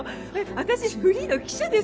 私フリーの記者ですよ。